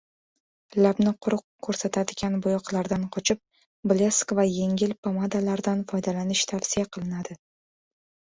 Labni quruq ko‘rsatadigan bo‘yoqlardan qochib, blesk va yengil pomadalardan foydalanish tavsiya qilinadi